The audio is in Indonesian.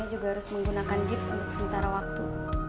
dan juga harus menggunakan gips untuk sementara waktu